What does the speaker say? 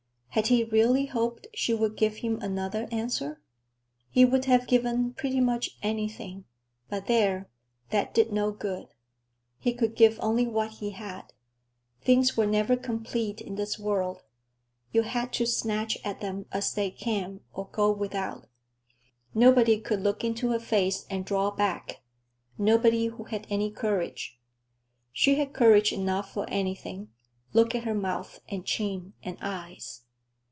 Had he really hoped she would give him another answer? He would have given pretty much anything—But there, that did no good. He could give only what he had. Things were never complete in this world; you had to snatch at them as they came or go without. Nobody could look into her face and draw back, nobody who had any courage. She had courage enough for anything—look at her mouth and chin and eyes!